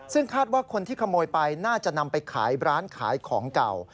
ซึ่งคาดว่าคนที่ขโมยไปน่าจะนำไปขายร้านขายของเก่า